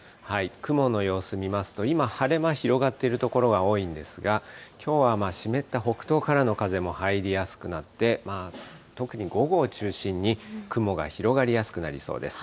雲の様子見ますと、今、晴れ間広がっている所が多いんですが、きょうは湿った北東からの風も入りやすくなって、特に午後を中心に、雲が広がりやすくなりそうです。